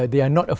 và bình tĩnh